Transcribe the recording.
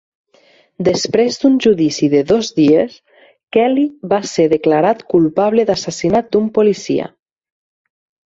Després d'un judici de dos dies, Kelly va ser declarat culpable d'assassinat d'un policia.